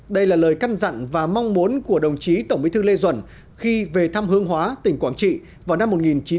đây là lời căn dặn và mong muốn của đồng chí tổng bí thư lê duẩn khi về thăm hương hóa tỉnh quảng trị vào năm một nghìn chín trăm bảy mươi